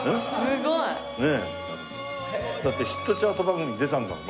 だってヒットチャート番組出たんだもん